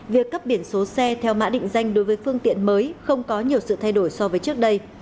việc cấp biển số xe theo mã định danh đối với phương tiện mới không có nhiều sự thay đổi so với trước đây